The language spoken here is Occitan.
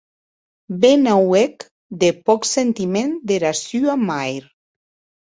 Be n’auec de pòc sentiment dera sua mair!